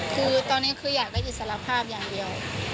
คือตอนนี้คืออยากได้อิสรภาพอย่างเดียว